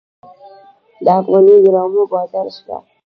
د افغاني ډرامو بازار شته؟